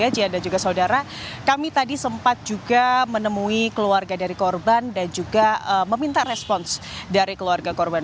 j dan juga saudara kami tadi sempat juga menemui keluarga dari korban dan juga meminta respons dari keluarga korban